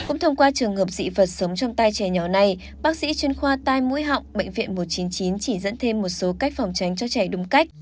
cũng thông qua trường hợp dị vật sống trong tay trẻ nhỏ này bác sĩ chuyên khoa tai mũi họng bệnh viện một trăm chín mươi chín chỉ dẫn thêm một số cách phòng tránh cho trẻ đúng cách